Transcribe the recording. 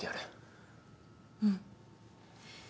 うん。